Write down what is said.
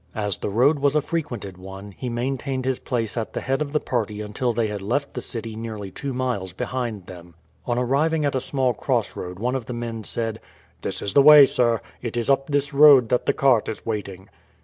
As the road was a frequented one, he maintained his place at the head of the party until they had left the city nearly two miles behind them. On arriving at a small crossroad one of the men said: "This is the way, sir; it is up this road that the cart is waiting."